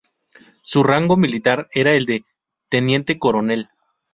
Su rango militar era el de teniente-coronel.